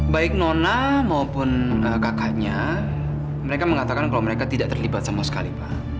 baik nona maupun kakaknya mereka mengatakan kalau mereka tidak terlibat sama sekali pak